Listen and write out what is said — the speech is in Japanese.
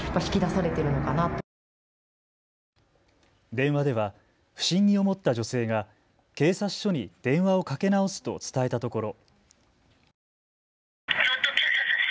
電話では不審に思った女性が警察署に電話をかけ直すと伝えたところ。